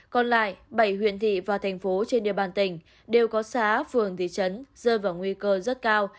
còn lại bảy huyện thị và thành phố trên địa bàn tỉnh đều có xã phường thị trấn rơi vào nguy cơ rất cao